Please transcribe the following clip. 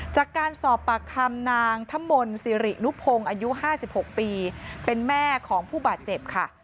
จากการสอบปากคำนางธมนต์สิรินุพงศ์อายุ๕๖ปีเป็นแม่ของผู้บาดเจ็บค่ะ